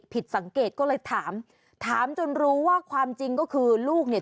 ผิดสังเกตก็เลยถามถามจนรู้ว่าความจริงก็คือลูกเนี่ย